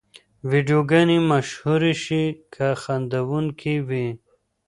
ویډیوګانې مشهورې شي که خندوونکې وي.